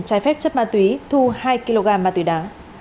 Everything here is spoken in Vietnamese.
trái phép chất ma túy thu hai kg ma túy đá